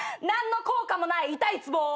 何の効果もない痛いつぼ！